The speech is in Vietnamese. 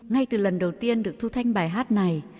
ngay từ lần đầu tiên được thu thanh bài hát này